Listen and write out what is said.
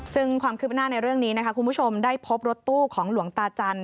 ซึ่งความคืบหน้าในเรื่องนี้นะคะคุณผู้ชมได้พบรถตู้ของหลวงตาจันท